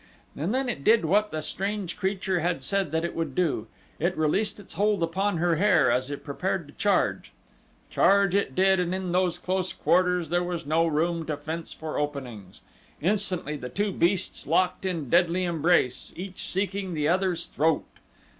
And then it did what the strange creature had said that it would do it released its hold upon her hair as it prepared to charge. Charge it did and in those close quarters there was no room to fence for openings. Instantly the two beasts locked in deadly embrace, each seeking the other's throat.